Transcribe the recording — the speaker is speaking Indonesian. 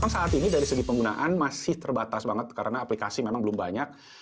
saat ini dari segi penggunaan masih terbatas banget karena aplikasi memang belum banyak